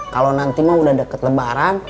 kalau nanti mah udah deket lebaran